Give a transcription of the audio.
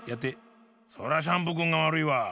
そらシャンプーくんがわるいわ。